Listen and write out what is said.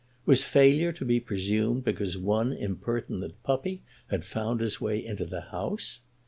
Was failure to be presumed because one impertinent puppy had found his way into the house?